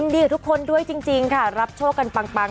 ดีกับทุกคนด้วยจริงค่ะรับโชคกันปัง